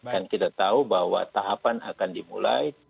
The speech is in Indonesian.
dan kita tahu bahwa tahapan akan dimulai